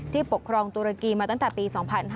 ปกครองตุรกีมาตั้งแต่ปี๒๕๕๙